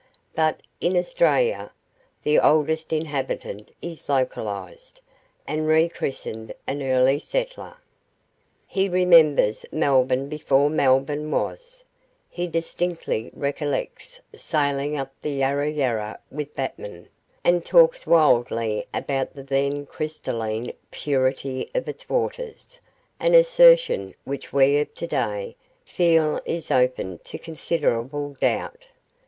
But in Australia, the oldest inhabitant is localized, and rechristened an early settler. He remembers Melbourne before Melbourne was; he distinctly recollects sailing up the Yarra Yarra with Batman, and talks wildly about the then crystalline purity of its waters an assertion which we of to day feel is open to considerable doubt.